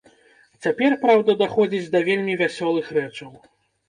Цяпер, праўда, даходзіць да вельмі вясёлых рэчаў.